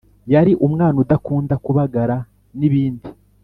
yari umwana udakunda kubagara n’ibindi.